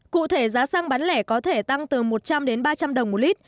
cụ thể giá xăng bán lẻ có thể tăng từ một trăm linh đến ba trăm linh đồng một lít